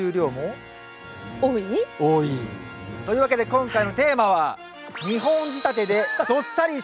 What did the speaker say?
というわけで今回のテーマはお！